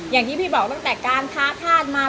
อย่างที่พี่บอกตั้งแต่การท้าทาสมา